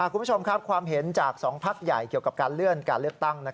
คุณผู้ชมครับความเห็นจาก๒พักใหญ่เกี่ยวกับการเลื่อนการเลือกตั้ง